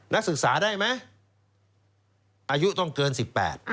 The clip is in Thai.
นักศึกษาได้ไหมอายุต้องเกินสิบแปด